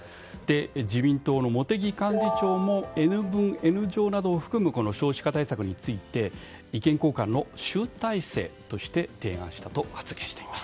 自民党の茂木幹事長もＮ分Ｎ乗などを含むこの少子化対策について意見交換の集大成として提案したと発言しています。